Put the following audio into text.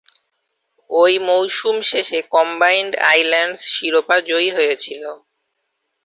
ঐ মৌসুম শেষে কম্বাইন্ড আইল্যান্ডস শিরোপা জয়ী হয়েছিল।